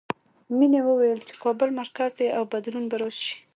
مینې ویل چې کابل مرکز دی او بدلون به راشي